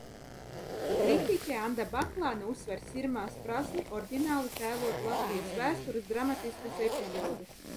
Kritiķe Anda Baklāne uzsver Sirmās prasmi oriģināli tēlot Latvijas vēstures dramatiskas epizodes.